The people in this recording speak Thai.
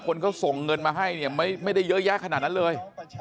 คนเขาส่งเงินมาให้เนี่ยไม่ได้เยอะแยะขนาดนั้นเลย